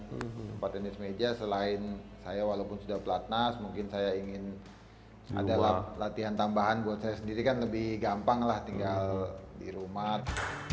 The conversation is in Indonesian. tempat tenis meja selain saya walaupun sudah pelatnas mungkin saya ingin ada latihan tambahan buat saya sendiri kan lebih gampang lah tinggal di rumah